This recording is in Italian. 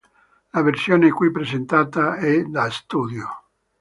La versione qui presentata è da studio.